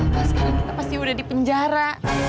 karena sekarang kita pasti udah di penjara